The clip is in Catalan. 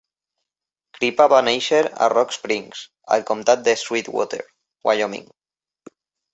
Crippa va néixer a Rock Springs, al comtat de Sweetwater, Wyoming.